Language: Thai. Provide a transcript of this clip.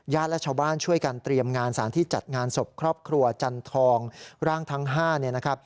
และชาวบ้านช่วยกันเตรียมงานสารที่จัดงานศพครอบครัวจันทองร่างทั้ง๕เนี่ยนะครับ